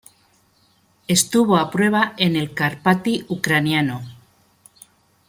Estuvo a prueba en el Karpaty ucraniano.